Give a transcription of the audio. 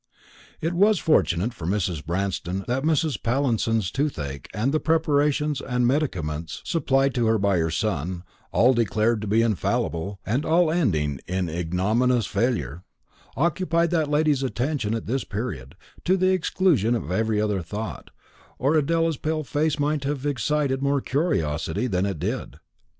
It was fortunate for Mrs. Branston that Mrs. Pallinson's toothache, and the preparations and medicaments supplied to her by her son all declared to be infallible, and all ending in ignominious failure occupied that lady's attention at this period, to the exclusion of every other thought, or Adela's pale face might have excited more curiosity than it did.